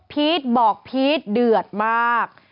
พีทบอกพีทเดือดมาก